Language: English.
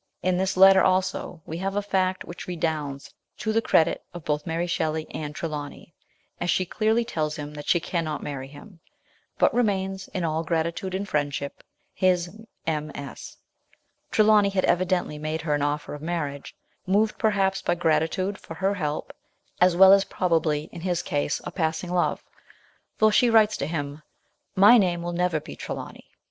In this letter, also, we have a fact which redounds to the credit of both Mary Shelley and Trelawny, as she clearly tells him she cannot marry him ; but remains in " all gratitude and friendship " his M. S. Trelawny had evidently made her an offer of marriage, moved perhaps by gratitude for her help, as well as probably, in his case, a passing love ; for she writes to him :" My name will never be Trelawny.